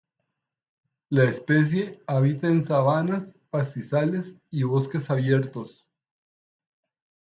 La especie habita en sabanas, pastizales y bosques abiertos.